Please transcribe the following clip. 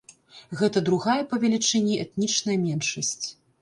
Гэта другая па велічыні этнічная меншасць.